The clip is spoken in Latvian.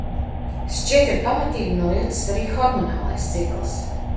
Šķiet, ir pamatīgi nojucis arī hormonālais cikls...